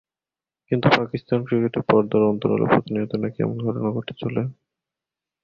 কিন্তু পাকিস্তান ক্রিকেটে পর্দার অন্তরালে প্রতিনিয়তই নাকি এমন ঘটনা ঘটে চলে।